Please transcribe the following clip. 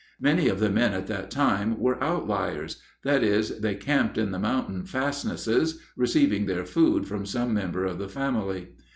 Many of the men at that time were "outliers" that is, they camped in the mountain fastnesses, receiving their food from some member of the family.